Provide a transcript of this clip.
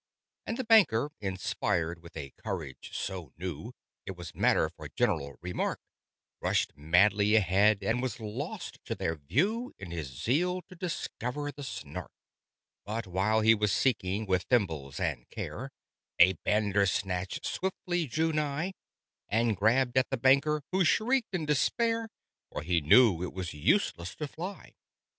And the Banker, inspired with a courage so new It was matter for general remark, Rushed madly ahead and was lost to their view In his zeal to discover the Snark But while he was seeking with thimbles and care, A Bandersnatch swiftly drew nigh And grabbed at the Banker, who shrieked in despair, For he knew it was useless to fly.